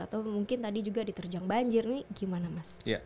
atau mungkin tadi juga diterjang banjir ini gimana mas